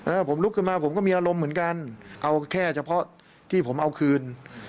ผมลุกขึ้นมาผมก็มีอารมณ์เหมือนกันเอาแค่เฉพาะที่ผมเอาคืน